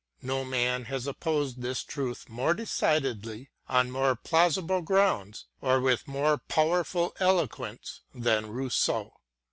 No man has opposed this truth more decidedly, on more plausible grounds, or with more powerful eloquence, than Rousseau.